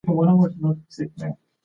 موږ باید کتابونه ولولو.